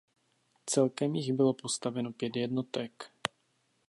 Celkem jich bylo postaveno pět jednotek.